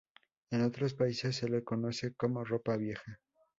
En otros países se le conoce como "ropa vieja".